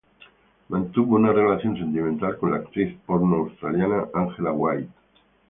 Mantuvo una relación sentimental con la actriz porno australiana Angela White.